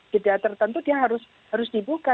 jeda tertentu dia harus dibuka